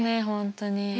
本当に。